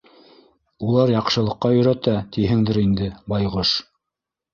Улар яҡшылыҡҡа өйрәтә, тиһеңдер инде, байғош.